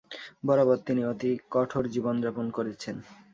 বরাবর তিনি অতি কঠোর জীবনযাপন করেছেন।